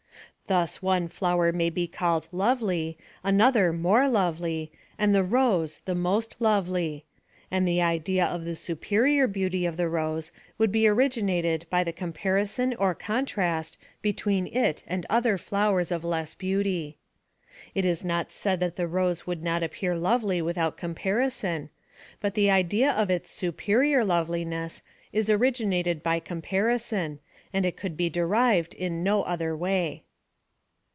Thus one flower may be called lovely, another more lovely, and the rose the most lovely j and the idea of the superior beauty of the rose would be originated by the comparison or con trast between it and other flowers of less beauty. It is not said that the rose would not appear lovely without comparison, tut the idea of its superior loveliness is originated by comparison, and it could be derived in no other way.